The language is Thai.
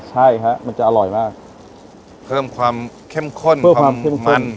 ใช่ฮะมันจะอร่อยมากเพิ่มความเข้มข้นเพิ่มความเข้มข้น